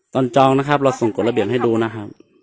จองนะครับเราส่งกฎระเบียบให้ดูนะครับ